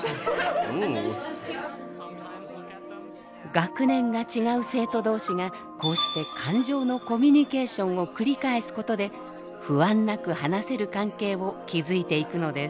学年が違う生徒同士がこうして感情のコミュニケーションを繰り返すことで不安なく話せる関係を築いていくのです。